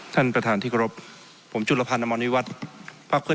ท่านประธานที่กรบผมจุลภาษณ์อำมวลวิวัตร